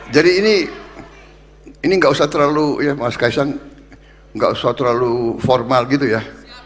jadi ini gak usah terlalu formal gitu ya